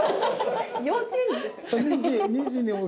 幼稚園児ですよ。